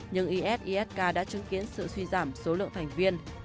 nhưng if isk đã chứng kiến sự suy giảm số lượng thành viên